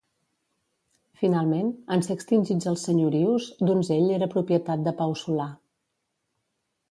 Finalment, en ser extingits els senyorius, Donzell era propietat de Pau Solà.